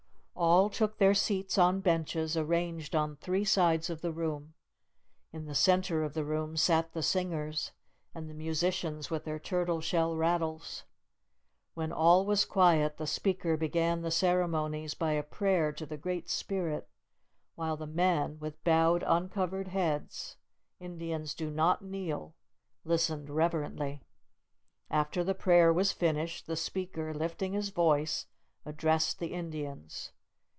All took their seats on benches arranged on three sides of the room. In the centre of the room sat the singers, and the musicians with their turtle shell rattles. When all was quiet, the speaker began the ceremonies by a prayer to the Great Spirit, while the men, with bowed, uncovered heads, Indians do not kneel, listened reverently. After the prayer was finished, the speaker, lifting his voice, addressed the Indians.